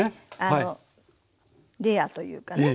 あのレアというかね。